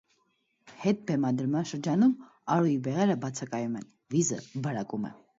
Հետբնադրման շրջանում արուի բեղերը բացակայում են, վիզը բարակում է։